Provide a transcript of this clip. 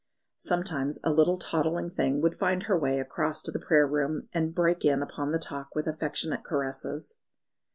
Sometimes a little toddling thing would find her way across to the prayer room, and break in upon the talk with affectionate caresses.